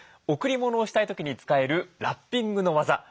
贈り物をしたい時に使えるラッピングのワザ。